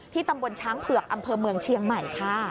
ตำบลช้างเผือกอำเภอเมืองเชียงใหม่ค่ะ